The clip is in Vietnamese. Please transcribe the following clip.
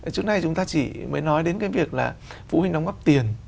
trước nay chúng ta chỉ mới nói đến cái việc là phụ huynh đóng góp tiền